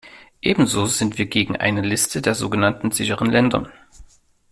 Ebenso sind wir gegen eine Liste der sogenannten sicheren Länder.